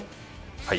はい。